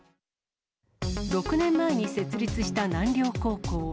６年前に設立した南陵高校。